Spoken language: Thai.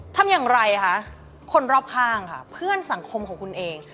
ทำอย่างไรคะคนรอบข้างค่ะเพื่อนสังคมของคุณเอง